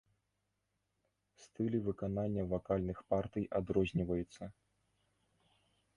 Стылі выканання вакальных партый адрозніваюцца.